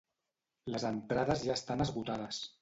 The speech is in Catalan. Les entrades ja estan esgotades.